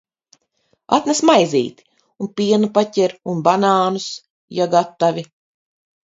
Atnes maizīti! Un pienu paķer, un banānus. Ja gatavi.